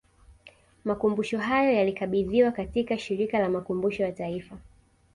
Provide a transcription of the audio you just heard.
Makumbusho hayo yalikabidhiwa katika Shirika la Makumbusho ya Taifa